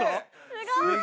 すごい！